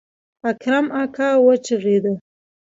اکرم اکا وچغېده.